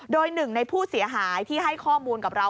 โดยหนึ่งในผู้เสียหายที่ให้ข้อมูลกับเรา